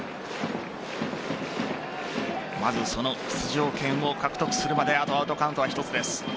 まずその出場権を獲得するまであとアウトカウントは１つです。